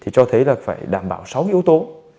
cho thấy là phải đảm bảo sáu yếu tố